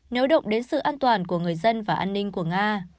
nới động đến sự an toàn của người dân và an ninh của nga